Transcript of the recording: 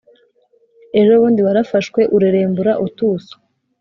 ejobundi warafashwe urerembura utuso